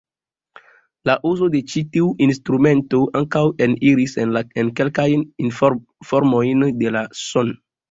La uzo de ĉi tiu instrumento ankaŭ eniris en kelkajn formojn de la "son".